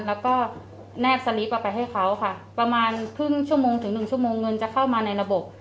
แล้วก็แนบสลิปไปให้เขาค่ะประมาณครึ่งชั่วโมงถึงหนึ่งชั่วโมงเงินจะเข้ามาในระบบ